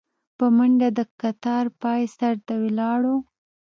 په منډه د کتار پاى سر ته ولاړو.